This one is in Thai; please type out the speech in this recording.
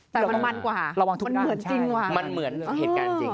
แต่มันมั่นกว่ามันเหมือนจริงว่ะใช่มันเหมือนเหตุการณ์จริง